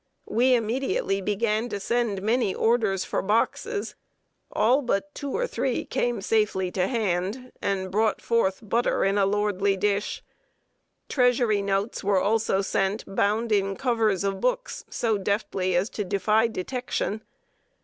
We immediately began to send many orders for boxes; all but two or three came safely to hand, and "brought forth butter in a lordly dish." Treasury notes were also sent bound in covers of books so deftly as to defy detection.